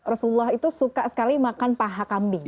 rasulullah itu suka sekali makan paha kambing